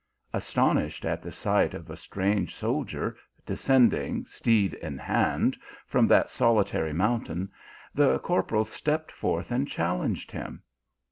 Astonished at the sight of a strange soldier de scending, steed in hand, from that solitary moun tain, the corporal stepped forth and challenged him.